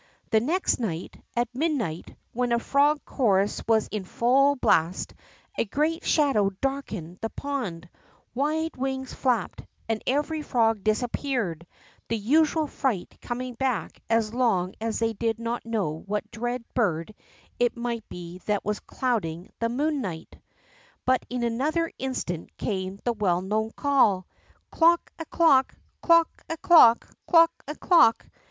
The next night, at midnight, when a frog chorus was in full blast, a great shadow darkened the pond, wide wings flapped, and every frog dis appeared, the usual fright coming back as long as they did not know what dread bird it might he that was clouding the moonlight. But in another instant came the well known call : Clook a clook ! Clock a clock ! Clook a clook